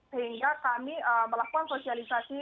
sehingga kami melakukan sosialisasi